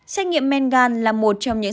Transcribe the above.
xét nghiệm men gan là một trong những